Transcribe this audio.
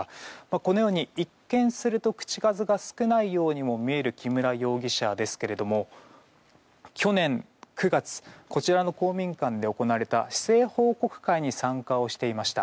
このように一見すると口数が少ないようにも見える木村容疑者ですけれども去年９月こちらの公民館で行われた市政報告会に参加をしていました。